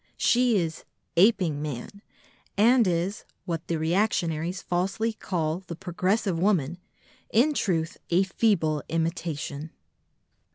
She is "aping man" and is (what the reactionaries falsely call the progressive woman), in truth, a "feeble imitation."